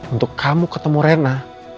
untuk kamu ketemu rena